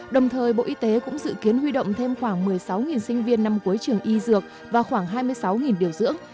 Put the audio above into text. đồng thời bộ y tế cũng dự kiến huy động thêm khoảng một mươi sáu sinh viên năm cuối trường y dược và khoảng hai mươi sáu điều dưỡng